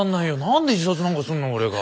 何で自殺なんかすんの俺が。